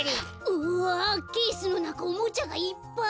うわケースのなかおもちゃがいっぱい！